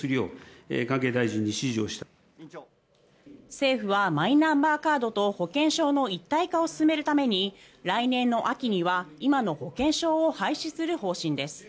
政府はマイナンバーカードと保険証の一体化を進めるために来年の秋には今の保険証を廃止する方針です。